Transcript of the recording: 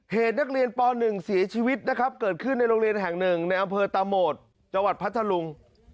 เหตุนักเรียนป๑เสียชีวิตนะครับเกิดขึ้นในโรงเรียนแห่งหนึ่งในอำเภอตะโหมดจังหวัดพัทธลุง